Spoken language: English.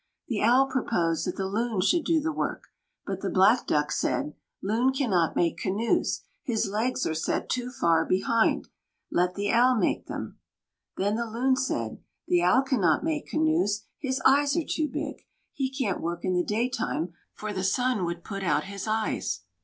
The Owl proposed that the Loon should do the work; but the Black Duck said: "Loon cannot make canoes; his legs are set too far behind. Let the Owl make them." Then the Loon said: "The Owl cannot make canoes; his eyes are too big. He can't work in the day time for the sun would put out his eyes."